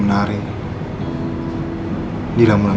di rambut rambut gue